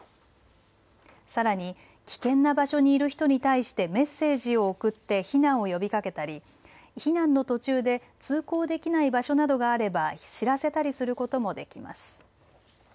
さらに危険な場所にいる人に対してメッセージを送って避難を呼びかけたり避難の途中で通行できない場所などがあれば知らせたりすることもできます。